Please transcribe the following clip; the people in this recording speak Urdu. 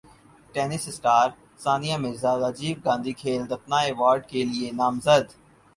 ٹینس اسٹار ثانیہ مرزا راجیو گاندھی کھیل رتنا ایوارڈکیلئے نامزد